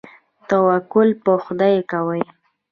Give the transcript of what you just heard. توکل په خدای کوئ؟